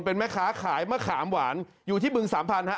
เป็นแม่ค้าขายมะขามหวานอยู่ที่บึงสามพันฮะ